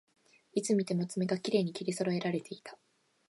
いつ見ても爪がきれいに切りそろえられていた